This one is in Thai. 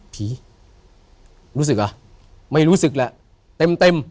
พี่รู้สึกเหรอไม่รู้สึกแล้วเต็ม